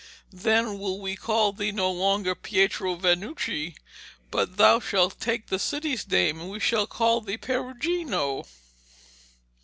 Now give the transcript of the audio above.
Then will we call thee no longer Pietro Vanucci, but thou shalt take the city's name, and we will call thee Perugino.'